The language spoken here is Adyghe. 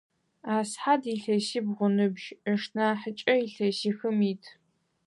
Асхьад илъэсибгъу ыныбжь, ышнахьыкӏэ илъэсихым ит.